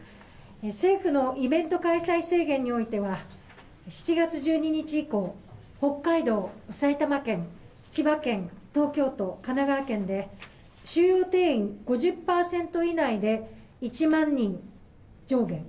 政府のイベント開催制限においては、７月１２日以降、北海道、埼玉県、千葉県、東京都、神奈川県で収容定員５０％以内で１万人上限。